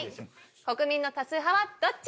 国民の多数派はどっち？